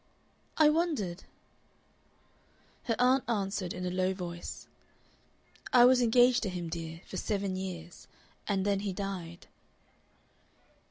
"I wondered." Her aunt answered in a low voice: "I was engaged to him, dear, for seven years, and then he died."